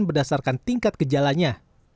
berdasarkan tingkat gejalanya